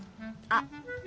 あっ！